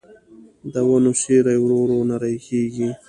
د ونو سیوري ورو ورو نری کېږي